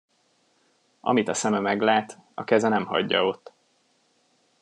Amit a szeme meglát, a keze nem hagyja ott.